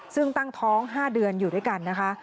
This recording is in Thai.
ซึ่งตั้งท้อง๕เดือนอยู่ด้วยกันนะคะ